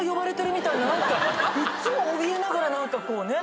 いっつもおびえながら何かこうね。